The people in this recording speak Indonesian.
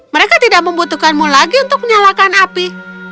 mereka tidak membutuhkanmu lagi untuk menyalakan api